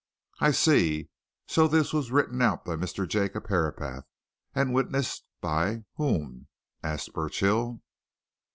"I see. So this was written out by Mr. Jacob Herapath, and witnessed by whom?" asked Burchill.